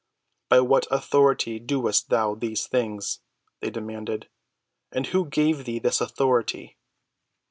"By what authority doest thou these things?" they demanded. "And who gave thee this authority?"